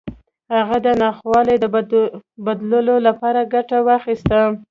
هغه د ناخوالو د بدلولو لپاره ګټه واخيسته.